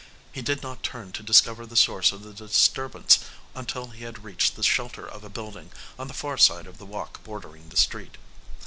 He did not turn to discover the source of the disturbance until he had reached the shelter of a building on the far side of the walk bordering the street.